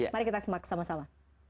mari kita simak sama sama